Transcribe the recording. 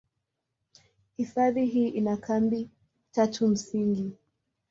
Hifadhi hii ina kambi tatu msingi.